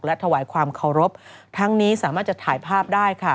และถวายความเคารพทั้งนี้สามารถจะถ่ายภาพได้ค่ะ